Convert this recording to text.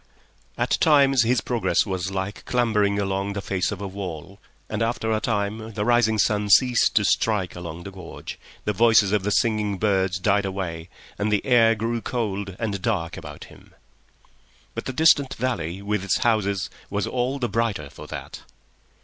At times his progress was like clambering along the face of a wall, and after a time the rising sun ceased to strike along the gorge, the voices of the singing birds died away, and the air grew cold and dark about him. But the distant valley with its houses was all the brighter for that.